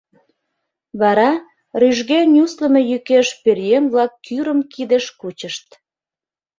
Вара рӱжге нюслымо йӱкеш пӧръеҥ-влак кӱрым кидыш кучышт.